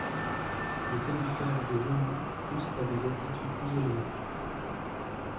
Des conifères et des bambous poussent à des altitudes plus élevées.